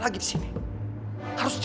aku cuma pengen tahu aja